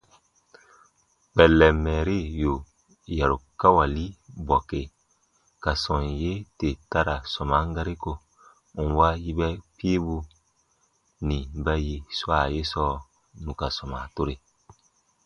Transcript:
Kpɛllɛn mɛɛri yù yarukawali bɔke ka sɔm yee tè ta ra sɔman gari ko, nwa yigbɛ piibu nì ba yi swa ye sɔɔ nù ka sɔma tore.